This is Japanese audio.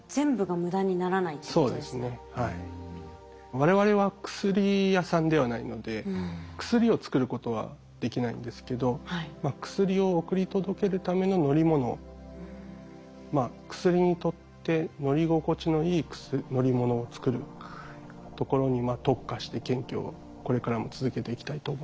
我々は薬屋さんではないので薬を作ることはできないんですけど薬を送り届けるための乗り物薬にとって乗り心地のいい乗り物を作るところに特化して研究をこれからも続けていきたいと思います。